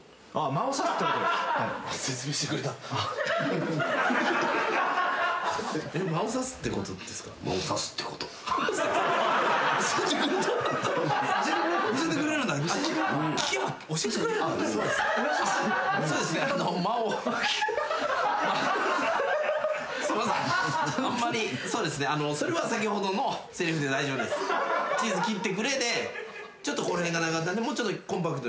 「チーズ切ってくれ」でちょっとこの辺が長かったんでもうちょっとコンパクトに間をさしていただいて。